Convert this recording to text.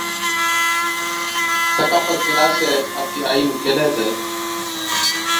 تڪا پَر ڪيلاشَي آپڪِي آئِي نُون ڪيهلَي تہ،